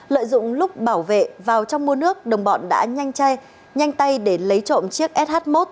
lợi dụng lúc bảo vệ vào trong mua nước đồng bọn đã nhanh chay nhanh tay để lấy trộm chiếc sh một